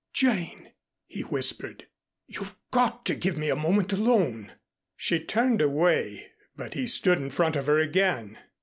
"Jane," he whispered, "you've got to give me a moment alone." She turned away, but he stood in front of her again.